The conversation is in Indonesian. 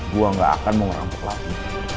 gua gak akan mau ngerampok lagi